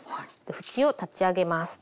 縁を立ち上げます。